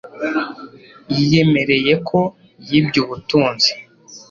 Yiyemereye ko yibye ubutunzi.